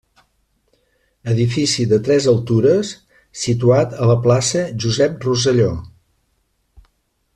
Edifici de tres altures situat a la Plaça Josep Rosselló.